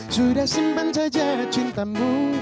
sudah simpan saja cintamu